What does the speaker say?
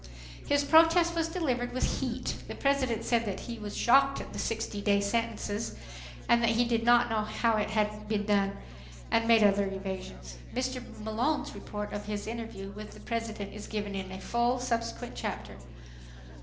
His protest was delivered with heat. The President said that he was "shocked" at the sixty day sentence, that he did not know it had been done, and made other evasions. Mr. Malone's report of his interview with the President is given in full in a subsequent chapter.